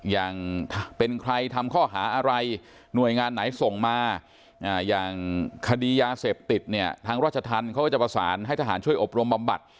อย่างเป็นใครทำข้อหาอะไรหน่วยงานไหนส่งมาอย่างคดียาเสพติดเนี่ยทางราชธรรมเขาก็จะประสานให้ทหารช่วยอบรมบำบัด